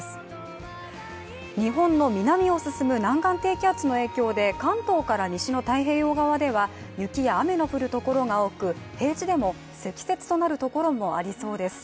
日本の南を進む湾岸低気圧の影響で関東から西の太平洋側では雪や雨の降るところが多く平地でも積雪となる所もありそうです。